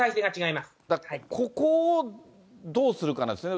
ここをどうするかなんですよね。